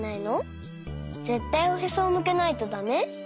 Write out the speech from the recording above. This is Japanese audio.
ぜったいおへそをむけないとだめ？